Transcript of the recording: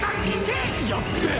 やっべえ！